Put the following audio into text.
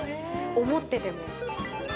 思ってても。